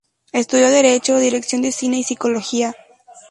Estudió Derecho, Dirección de cine y Psicología.